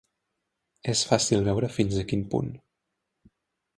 És fàcil veure fins a quin punt.